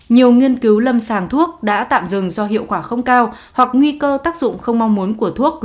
nhiều nghiên cứu lâm sàng thuốc đã tạm dừng do hiệu quả không cao hoặc nguy cơ tác dụng không mong muốn của thuốc